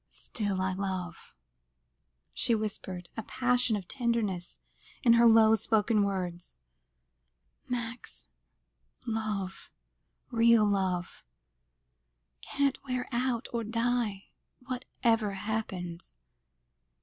"Still I love," she whispered, a passion of tenderness in the low spoken words. "Max, love real love can't wear out or die, whatever happens.